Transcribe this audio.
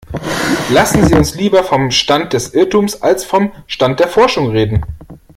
Lassen Sie uns lieber vom Stand des Irrtums als vom Stand der Forschung reden.